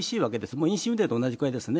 もう飲酒運転と同じくらいですね。